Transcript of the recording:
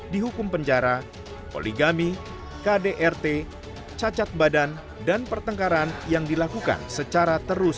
dihukum penjara poligami kdrt cacat badan dan pertengkaran yang dilakukan secara terus